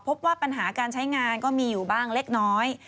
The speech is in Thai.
พบว่าปัญหาการใช้งานก็มีอยู่บ้างเล็กน้อย